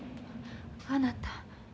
あなた。